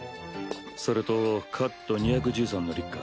それとカット２１３のリッカ。